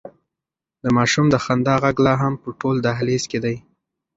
د ماشوم د خندا غږ لا هم په ټول دهلېز کې دی.